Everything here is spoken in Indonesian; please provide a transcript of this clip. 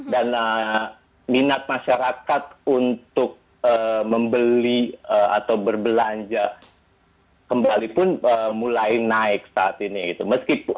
dan minat masyarakat untuk membeli atau berbelanja kembali pun mulai naik saat ini